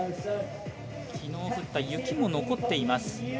昨日降った雪も残っています。